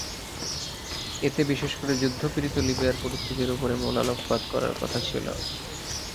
এতে বিশেষ করে যুদ্ধপীড়িত লিবিয়ার পরিস্থিতির ওপরে মূল আলোকপাত করার কথা ছিল।